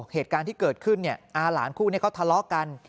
เหตุการณ์ที่เกิดขึ้นอาหลานคู่นี้เขาทะเลาะกัน